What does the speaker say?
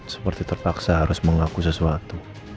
seperti terpaksa harus mengaku sesuatu